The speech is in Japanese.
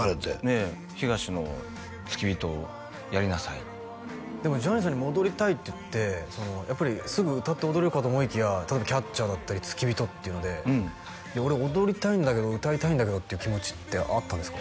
ええ「ヒガシの付き人をやりなさい」でもジャニーさんに戻りたいって言ってやっぱりすぐ歌って踊れるかと思いきや例えばキャッチャーだったり付き人っていうのでいや俺踊りたいんだけど歌いたいんだけどっていう気持ちってあったんですか？